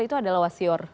itu adalah wasior